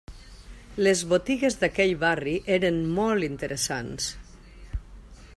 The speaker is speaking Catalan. Les botigues d'aquell barri eren molt interessants.